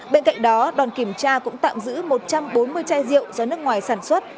bên cạnh đó đoàn kiểm tra cũng tạm giữ một trăm bốn mươi chai rượu do nước ngoài sản xuất